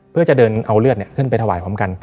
เพื่อจะเดินเอาเลือดขึ้นไปถวายพร้อมกัน